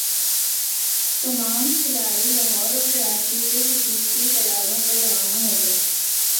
تمام کھلاڑی لاہور اور کراچی سے خصوصی طیاروں پر روانہ ہوں گے